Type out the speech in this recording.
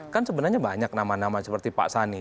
kan sebenarnya banyak nama nama seperti pak sani